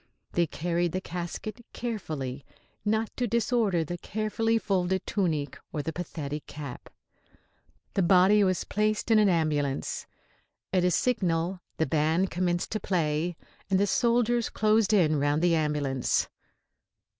They carried the casket carefully, not to disorder the carefully folded tunic or the pathetic cap. The body was placed in an ambulance. At a signal the band commenced to play and the soldiers closed in round the ambulance.